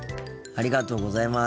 ありがとうございます。